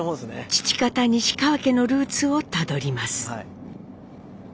父方西川家のルーツをたどります。